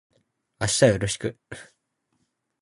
明日はよろしく